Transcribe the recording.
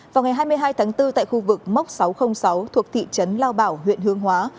vào ngày hai mươi hai tháng bốn tại khu vực móc sáu trăm linh sáu thuộc thị trấn lao bảo huyện hương hóa